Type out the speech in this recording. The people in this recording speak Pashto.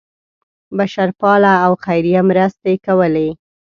بشرپاله او خیریه مرستې کولې.